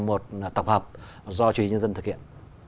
một tập hợp do chủ yếu nhân dân thực hiện